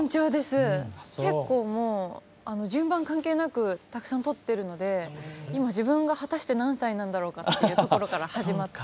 結構もう順番関係なくたくさん撮っているので今自分が果たして何歳なんだろうかというところから始まって。